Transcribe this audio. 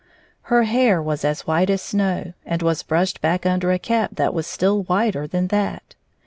Her hair was as white as snow, and was brushed back under a cap that was still whiter than that.